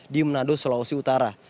di menado sulawesi utara